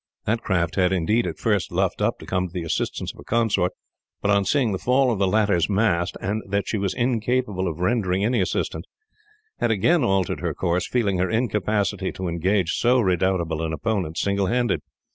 That craft had indeed, at first, luffed up, to come to the assistance of her consort; but on seeing the fall of the latter's mast, and that she was incapable of rendering any assistance, had again altered her course, feeling her incapacity to engage so redoubtable an opponent, single handed.